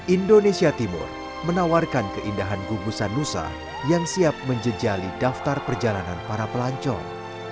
indonesia timur menawarkan keindahan gugusan nusa yang siap menjejali daftar perjalanan para pelancong